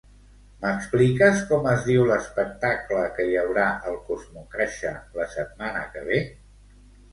M'expliques com es diu l'espectacle que hi haurà al CosmoCaixa la setmana que ve?